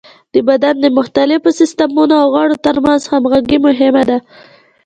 د بدن د مختلفو سیستمونو او غړو تر منځ همغږي مهمه ده.